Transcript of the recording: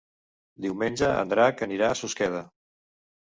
Diumenge en Drac anirà a Susqueda.